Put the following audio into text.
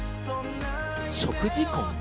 食事婚？